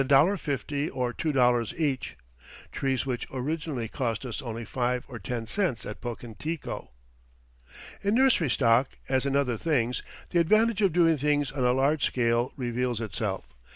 50 or $2.00 each, trees which originally cost us only five or ten cents at Pocantico. In nursery stock, as in other things, the advantage of doing things on a large scale reveals itself.